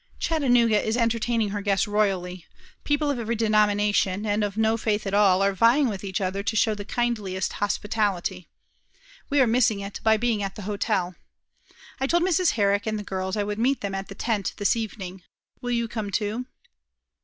"Chattanooga is entertaining her guests royally; people of every denomination, and of no faith at all, are vying with each other to show the kindliest hospitality. We are missing it by being at the hotel. I told Mrs. Herrick and the girls I would meet them at the tent this evening. Will you come, too?"